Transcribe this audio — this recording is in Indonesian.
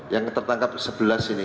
yang tertangkap sebelas ini